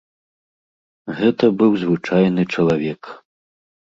Гэта быў звычайны чалавек.